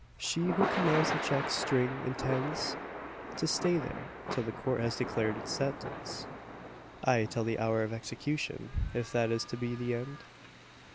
She who commands the check string intends to stay there, till the Court has declared its sentence ay, till the hour of execution, if that is to be the end!